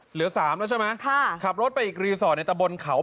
เหลือสามแล้วใช่ไหมค่ะขับรถไปอีกรีสอร์ทในตะบนเขา